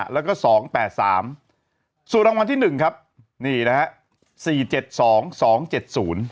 แล้วก็สองแปดสามส่วนรางวัลที่หนึ่งครับนี่นะฮะสี่เจ็ดสองสองเจ็ดศูนย์